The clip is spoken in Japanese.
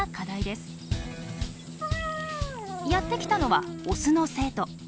やって来たのはオスの生徒。